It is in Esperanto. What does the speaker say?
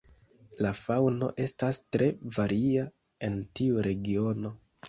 La faŭno estas tre varia en tiu regiono.